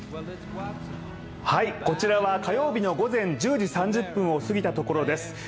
こちらは火曜日の午前１０時３０分をすぎたところです。